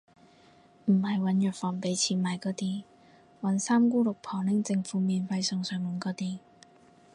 唔係搵藥房畀錢買嗰啲，搵三姑六婆拎政府免費送上門嗰啲